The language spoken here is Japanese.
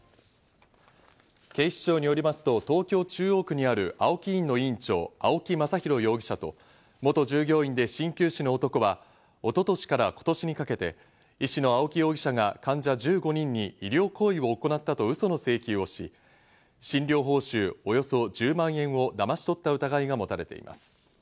警視庁によりますと、東京・中央区にある青木医院の院長、青木正浩容疑者と元従業員で針灸師の男は一昨年から今年にかけて医師の青木容疑者が患者１５人に医療行為を行ったとウソの請求をし、診療報酬およそ１０万円をだまし取った疑いがもたれています。